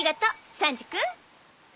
サンジ君。